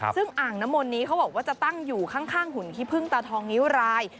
ซึ่งอ่างน้ำมนต์นี้เขาบอกว่าจะตั้งอยู่ข้างหุ่นขี้พึ่งตาทองนิ้วราย